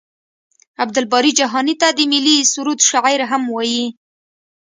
عبدالباري جهاني ته د ملي سرود شاعر هم وايي.